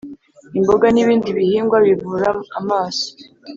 imboga n'ibindi bihingwa bivura amaso